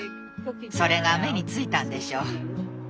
それが目についたんでしょう。